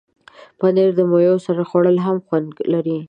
پنېر د میوو سره خوړل هم خوند لري.